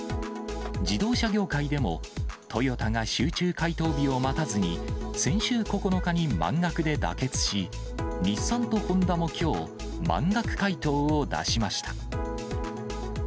自動車業界でも、トヨタが集中回答日を待たずに先週９日に満額で妥結し、日産とホンダもきょう、満額回答を出しました。